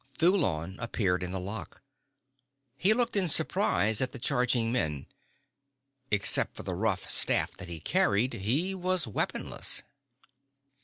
Thulon appeared in the lock. He looked in surprise at the charging men. Except for the rough staff that he carried he was weaponless.